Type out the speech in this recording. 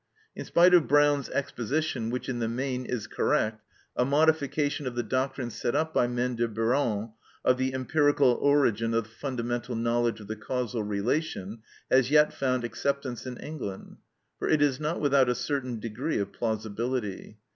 In spite of Brown's exposition, which in the main is correct, a modification of the doctrine set up by Maine de Biran, of the empirical origin of the fundamental knowledge of the causal relation, has yet found acceptance in England; for it is not without a certain degree of plausibility.